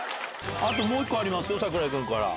あともう一個ありますよ、櫻井君から。